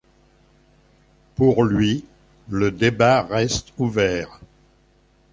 Pour lui, le débat reste ouvert.